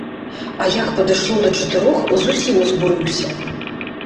А як падышло да чатырох, зусім узбурыўся.